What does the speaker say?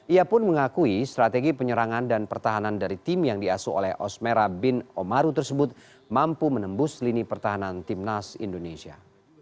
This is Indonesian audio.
ia pun mengakui strategi penyerangan dan pertahanan dari tim yang diasuh oleh osmera bin omaru tersebut mampu menembus lini pertahanan timnas indonesia